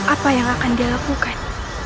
apa yang akan dia lakukan